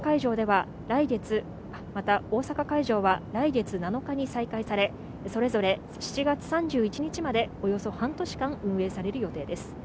また大阪会場は来月７日に再開され、それぞれ７月３１日までおよそ半年間運営される予定です。